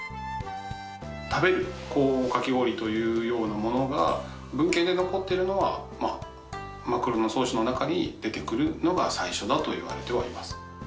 食べるかき氷というようなものが、文献で残ってるのは、まあ、枕草子の中に出てくるのが最初だといわれてはいます。